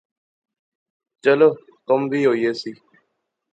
چلو کم وی ہوئی ایسی